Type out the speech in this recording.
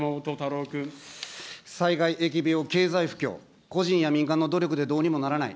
災害、疫病、経済不況、個人や民間の努力でどうにもならない。